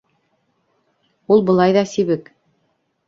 Ул былай ҙа сибек.